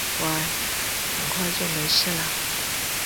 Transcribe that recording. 乖，很快就没事了